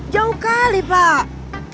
jauh kali pak